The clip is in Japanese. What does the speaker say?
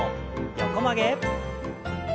横曲げ。